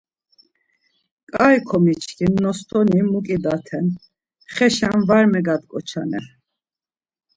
Ǩai komikçin nostoni muǩidaten, xeşen var megat̆ǩoçanen.